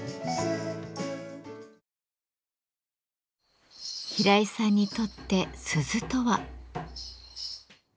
平井さんにとって鈴とは。